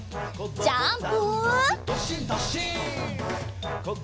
ジャンプ！